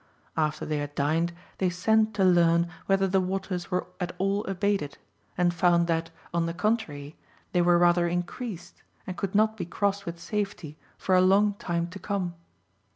After they had dined they sent to learn whether the waters were at all abated, and found that, on the contrary, they were rather increased, and could not be crossed with safety for a long time to come.